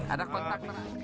ada kontak pak